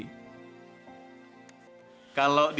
karena keterbatasan ekonomi